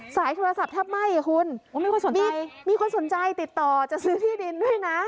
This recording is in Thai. สายโทรศัพท์ถ้าไม่อ่ะคุณว่ามีคนสนใจมีคนสนใจติดต่อจะซื้อที่ดินด้วยน่ะ